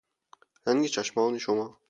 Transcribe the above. رنگ چشمان شما